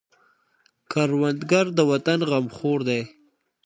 کروندګر د وطن غمخور دی